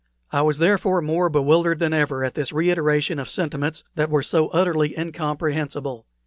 I was therefore more bewildered than ever at this reiteration of sentiments that were so utterly incomprehensible.